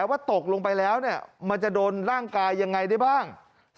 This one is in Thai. ว่าตกลงไปแล้วมันจะโดนร่างกายยังไงได้บ้าง